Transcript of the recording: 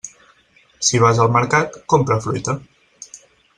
Si vas al mercat, compra fruita.